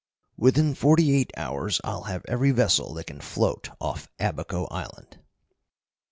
"Within forty eight hours I'll have every vessel that can float off Abaco Island."